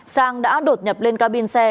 sang đã đột nhập lên cabin xe